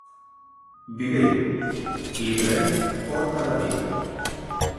Viveiro: Libraría Porta da Vila.